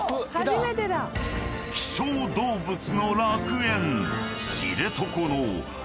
［希少動物の楽園］